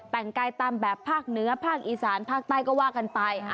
แต่งกายตามแบบภาคเหนือภาคอีสานภาคใต้ก็ว่ากันไป